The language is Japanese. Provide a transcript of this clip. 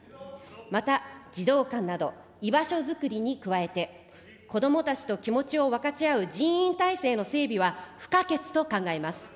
また、児童館など、居場所作りに加えて、こどもたちと気持ちを分かち合う人員体制の整備は不可欠と考えます。